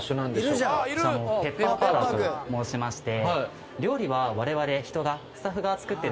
こちら「ペッパーパーラー」と申しまして。